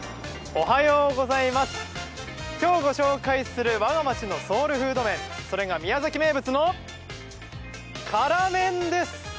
今日ご紹介する「わが町のソウルフード麺」、宮崎名物の辛麺です。